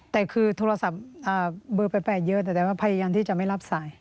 แต่คือโทรศัพท์เบอร์๘เยอะแต่ว่าพยายามที่จะไม่รับสาย